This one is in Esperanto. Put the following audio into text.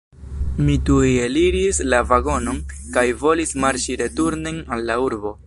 Mi tuj eliris la vagonon kaj volis marŝi returnen al la urbo.